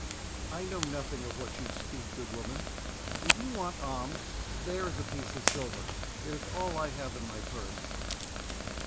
"I know nothing of what you speak, good woman; if you want alms, there is a piece of silver—it is all I have in my purse."